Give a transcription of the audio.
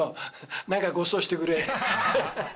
なんかごちそうしてくれ。